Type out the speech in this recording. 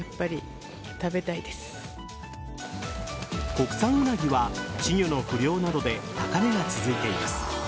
国産ウナギは稚魚の不漁などで高値が続いています。